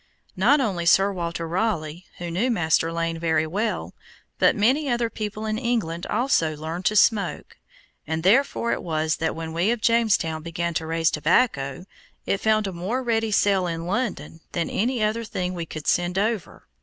Not only Sir Walter Raleigh, who knew Master Lane very well, but many other people in England also learned to smoke, and therefore it was that when we of Jamestown began to raise tobacco, it found a more ready sale in London than any other thing we could send over.